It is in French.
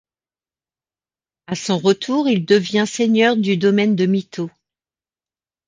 À son retour, il devient seigneur du domaine de Mito.